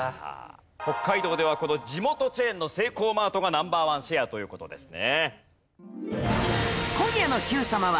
北海道ではこの地元チェーンのセイコーマートがナンバーワンシェアという事ですね。